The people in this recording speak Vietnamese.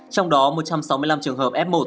trong đó một trăm sáu mươi năm trường hợp f một